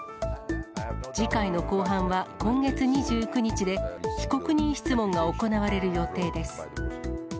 次回の公判は今月２９日で、被告人質問が行われる予定です。